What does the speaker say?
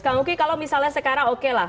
kang uki kalau misalnya sekarang oke lah